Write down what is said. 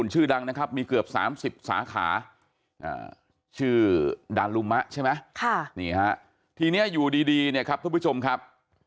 ชื่อดารุมะใช่ไหมค่ะทีนี้อยู่ดีทุกผู้ชมครับ